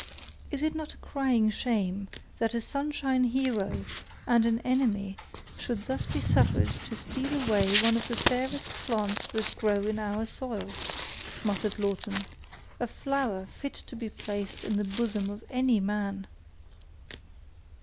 "Is it not a crying shame, that a sunshine hero, and an enemy, should thus be suffered to steal away one of the fairest plants that grow in our soil," muttered Lawton; "a flower fit to be placed in the bosom of any man!"